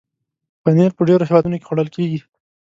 پنېر په ډېرو هېوادونو کې خوړل کېږي.